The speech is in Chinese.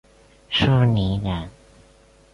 舒磷人。